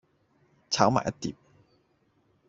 炒埋一碟